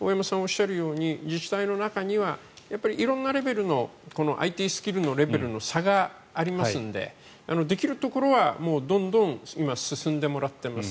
大山さんがおっしゃるように自治体の中には色んなレベルのＩＴスキルのレベルの差がありますのでできるところはもうどんどん今、進んでもらっています。